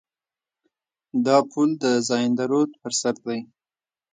دا پل د زاینده رود پر سر دی.